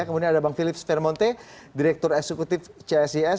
kemudian ada bang philips vermonte direktur eksekutif csis